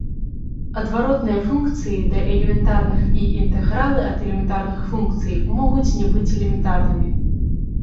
Адваротныя функцыі да элементарных і інтэгралы ад элементарных функцый могуць не быць элементарнымі.